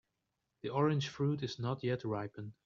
The orange fruit is not yet ripened.